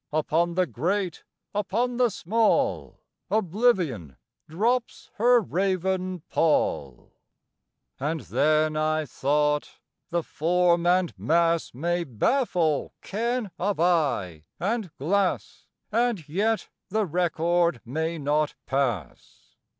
Upon the great, upon the small, Oblivion drops her raven pall. II. And then I thought: The form and mass May baffle ken of eye and glass, And yet the record may not pass.